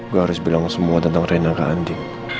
gue harus bilang semua tentang reina ke andi